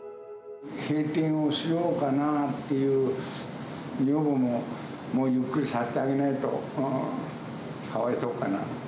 閉店をしようかなっていう、女房も、もうゆっくりさせてあげないとかわいそうかな。